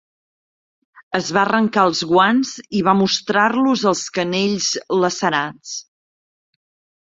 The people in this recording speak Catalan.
Es va arrencar els guants i va mostrar-los els canells lacerats.